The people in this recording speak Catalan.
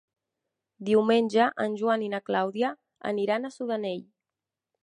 Diumenge en Joan i na Clàudia aniran a Sudanell.